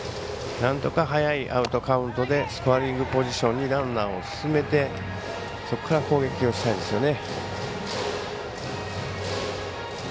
なんとか早いアウトカウントでスコアリングポジションにランナーを進めてそこから攻撃をしたいですよね。